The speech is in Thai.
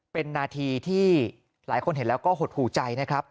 เป็นนาทีที่หลายคนเห็นแล้วก็หดหูใจนะครับ